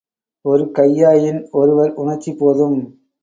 ஒரு கையாயின் ஒருவர் உணர்ச்சி போதும்.